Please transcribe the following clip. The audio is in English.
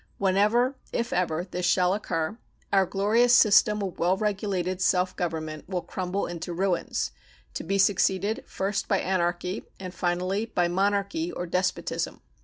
Whenever, if ever, this shall occur, our glorious system of well regulated self government will crumble into ruins, to be succeeded, first by anarchy, and finally by monarchy or despotism.